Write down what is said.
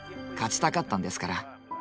勝ちたかったんですから。